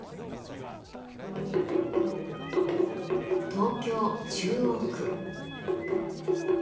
東京・中央区。